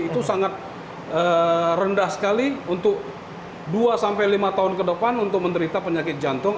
itu sangat rendah sekali untuk dua sampai lima tahun ke depan untuk menderita penyakit jantung